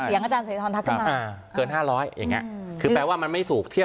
อาจารย์เสธรทักขึ้นมาอ่าเกินห้าร้อยอย่างเงี้ยคือแปลว่ามันไม่ถูกเทียบ